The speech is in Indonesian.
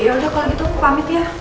yaudah kalo gitu aku pamit ya